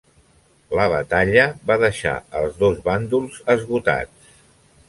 La batalla va deixar els dos bàndols esgotats.